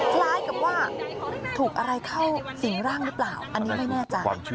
คล้ายกับว่าถูกอะไรเข้าสิ่งร่างหรือเปล่าอันนี้ไม่แน่ใจ